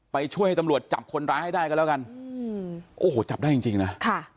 ช่วยให้ตำรวจจับคนร้ายให้ได้กันแล้วกันอืมโอ้โหจับได้จริงจริงนะค่ะ